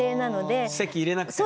籍入れなくても？